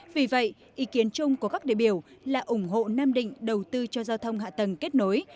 vì vậy ý kiến chung của các đại biểu là ủng hộ nam định đầu tư cho giao thông hạ tầng kết nối